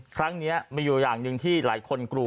ครั้งนี้มีอยู่อย่างหนึ่งที่หลายคนกลัว